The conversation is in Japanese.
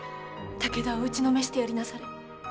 武田を打ちのめしてやりなされ。